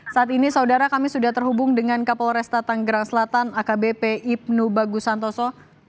saat ini saudara kami sudah terhubung dengan kapolresta tanggerang selatan akbp ibnu bagus santoso